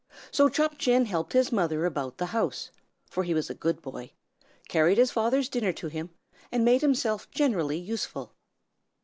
So Chop Chin helped his mother about the house, for he was a good boy, carried his father's dinner to him, and made himself generally useful.